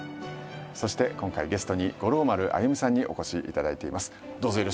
そして今回ゲストに五郎丸歩さんにお越しいただいています。